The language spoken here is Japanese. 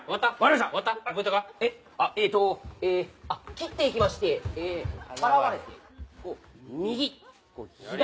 斬っていきまして払われて右左。